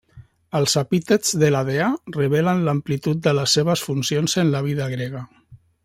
Els epítets de la dea revelen l'amplitud de les seves funcions en la vida grega.